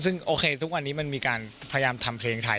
ซึ่งโอเคทุกวันนี้มันมีการพยายามทำเพลงไทย